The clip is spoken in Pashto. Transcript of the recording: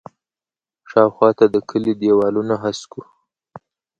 شاوخوا ته د کلي دیوالونه هسک وو.